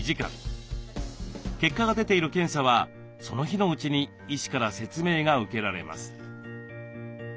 結果が出ている検査はその日のうちに医師から説明が受けられます。